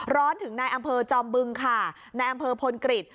ร้อนถึงในอำเภอจอมบึงค่ะในอำเภอพลกริจ